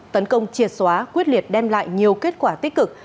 tấn công triệt xóa quyết liệt đem lại nhiều kết quả tích cực